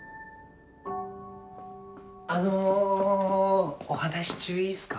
あのお話し中いいっすか？